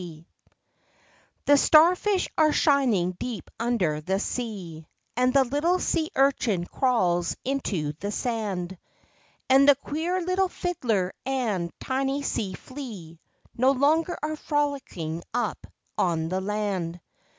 C he star fish are shining deep under the sea, And the little sea urchin crawls into the sand, And the queer little fiddler and tiny sand flea, No longer are frolicking up on the land.